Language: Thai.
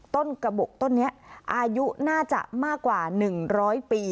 กระบกต้นนี้อายุน่าจะมากกว่า๑๐๐ปี